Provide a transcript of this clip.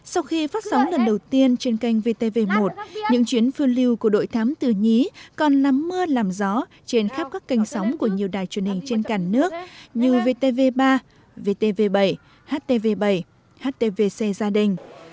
sau khi phát sóng lần đầu tiên trên kênh vtv một những chuyến phương lưu của đội thám từ nhí còn lắm mưa làm gió trên khắp các kênh sóng của nhiều đài truyền hình trên cả nước như vtv ba vtv bảy htv bảy htvc gia đình